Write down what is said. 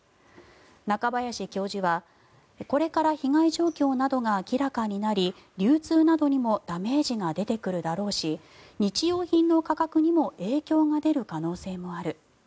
中林教授は、これから被害状況などが明らかになり流通などにもダメージが出てくるだろうし日用品の価格にも影響が出る可能性もある。